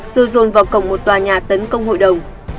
rồi dồn vào cổng một tòa nhà tấn công hội đồng